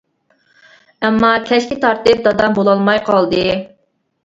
ئەمما، كەچكە تارتىپ دادام بولالماي قالدى.